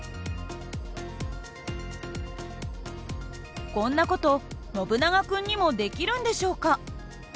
こんな事ノブナガ君にもできるんでしょうか？